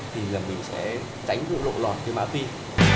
thì giờ mình sẽ tránh được lộn lòn cái mạng phim